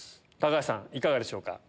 橋さんいかがでしょうか？